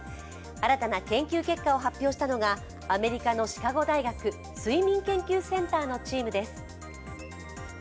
新たな研究結果を発表したのがアメリカのシカゴ大学睡眠研究センターのチームです。